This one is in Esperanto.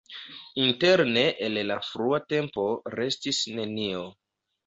Interne el la frua tempo restis nenio.